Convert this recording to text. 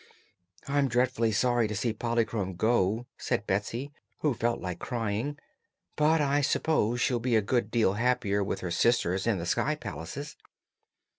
"I'm dreadful sorry to see Polychrome go," said Betsy, who felt like crying; "but I s'pose she'll be a good deal happier with her sisters in the sky palaces."